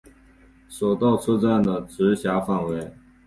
手稻车站的直辖范围。